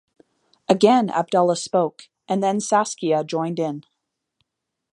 Again Abdullah spoke, and then Saskia joined in.